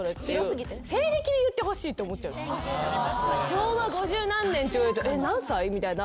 昭和五十何年って言われると何歳？みたいな。